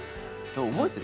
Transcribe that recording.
覚えてる？